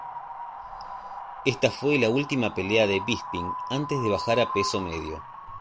Esta fue la última pelea de Bisping antes de bajar a peso medio.